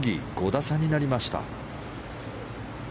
５打差になりました。